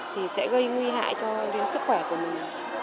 thì sẽ gây nguy hại cho đến sức khỏe của mình